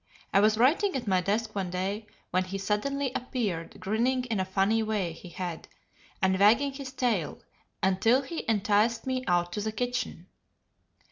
I was writing at my desk one day, when he suddenly appeared, grinning in a funny way he had, and wagging his tail, until he enticed me out to the kitchen.